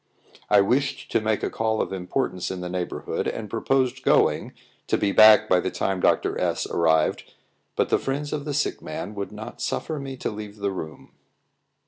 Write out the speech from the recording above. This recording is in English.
I wished to make a call of importance in the neighbourhood, and proposed going, to be back by the time Dr. S arrived; but the friends of the sick man would not suffer me to leave the room.